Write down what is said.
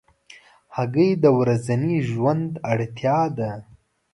هګۍ د ورځني ژوند اړتیا ده.